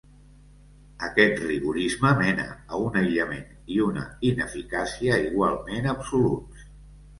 Aquest rigorisme mena a un aïllament i una ineficàcia igualment absoluts.